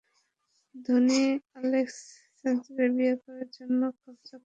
ধনী অ্যালেক্স সেবাস্টিয়ানকে বিয়ে করার জন্য কব্জা করতে?